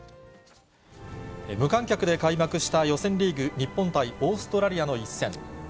無観客で開幕した予選リーグ、日本対オーストラリアの一戦。